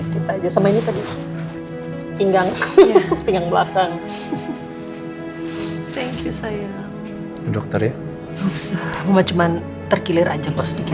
gak usah cuma terkilir aja gue sedikit